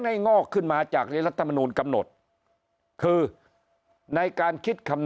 งอกขึ้นมาจากรัฐมนูลกำหนดคือในการคิดคำ